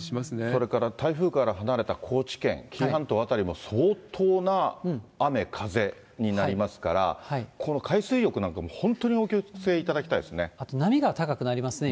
それから台風から離れた高知県、紀伊半島辺りも、相当な雨、風になりますから、この海水浴なんかも本当、あと、波が高くなりますね。